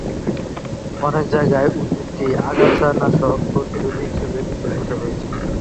অনেক জায়গায়, উদ্ভিদটি আগাছানাশক-প্রতিরোধী হিসেবে বিকশিত হয়েছে।